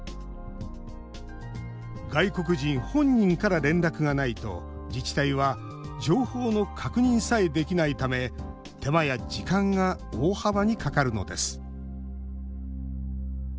外国人本人から連絡がないと自治体は情報の確認さえできないため手間や時間が大幅にかかるのです。